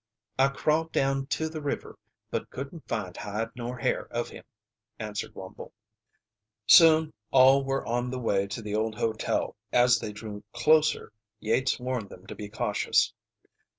"I crawled down to the river, but couldn't find hide nor hair of him," answered Wumble. Soon all were on the way to the old hotel. As they drew closer Yates warned them to be cautious.